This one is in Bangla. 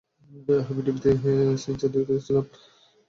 আমি টিভিতে সিনচান দেখতে যাচ্ছিলাম।